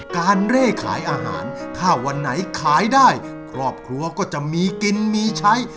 เร่ขายอาหารถ้าวันไหนขายได้ครอบครัวก็จะมีกินมีใช้